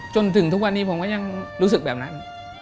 จนถึงทุกวันนี้ผมก็ยังรู้สึกแบบนั้น